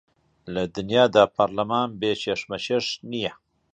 لە دنیادا پەرلەمان بێ کێشمەکێش نییە